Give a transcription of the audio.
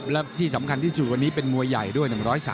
และที่สำคัญที่สุดวันนี้เป็นมวยใหญ่ด้วย๑๓